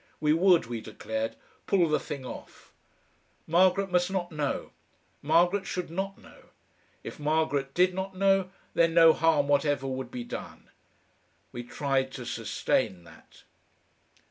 We would, we declared, "pull the thing off." Margaret must not know. Margaret should not know. If Margaret did not know, then no harm whatever would be done. We tried to sustain that....